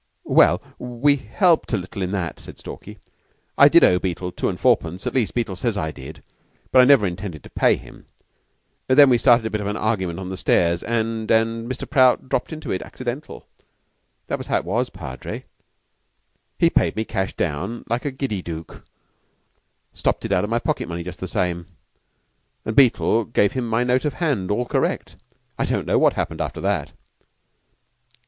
"Well we helped a little in that," said Stalky. "I did owe Beetle two and fourpence at least, Beetle says I did, but I never intended to pay him. Then we started a bit of an argument on the stairs, and and Mr. Prout dropped into it accidental. That was how it was, Padre. He paid me cash down like a giddy Dook (stopped it out of my pocket money just the same), and Beetle gave him my note of hand all correct. I don't know what happened after that."